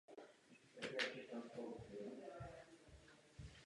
Jedná se o "starou farnost".